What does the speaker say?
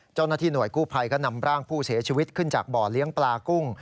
เจ้าหน้าที่หน่วยกู้ภัยก็นำร่างผู้เสียชีวิตขึ้นจากบ่อเลี้ยงปลากุ้ง